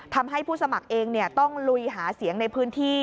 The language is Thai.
ทำให้ผู้สมัครเองต้องลุยหาเสียงในพื้นที่